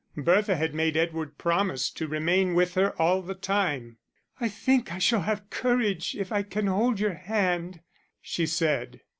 Bertha had made Edward promise to remain with her all the time. "I think I shall have courage if I can hold your hand," she said.